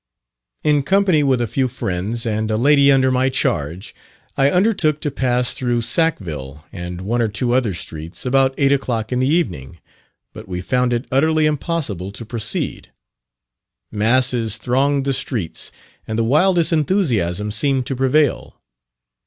In company with a few friends, and a lady under my charge, I undertook to pass through Sackville and one or two other streets, about eight o'clock in the evening, but we found it utterly impossible to proceed. Masses thronged the streets, and the wildest enthusiasm seemed to prevail.